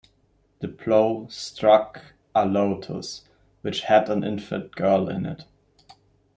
The plough struck a lotus, which had an infant girl in it.